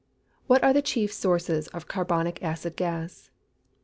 _What are the chief sources of carbonic acid gas?